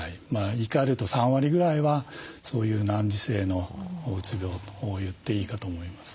言いかえると３割ぐらいはそういう難治性のうつ病と言っていいかと思います。